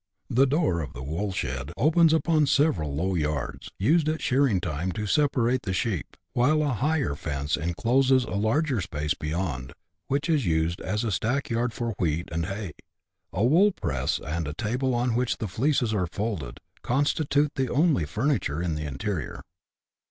The door of the wool shed opens upon several low yards, used at shearing time to separate the sheep, while a higher fence encloses a larger space beyond, which is used as a stackyard for wheat and hay ; a wool press, and a table on which the fleeces are folded, constitute the only furniture of the interior.